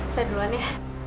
saya duluan ya